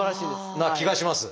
な気がします。